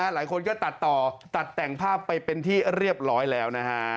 หลายคนก็ตัดต่อตัดแต่งภาพไปเป็นที่เรียบร้อยแล้วนะฮะ